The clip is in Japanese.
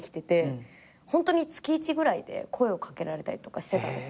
ホントに月一ぐらいで声を掛けられたりしてたんです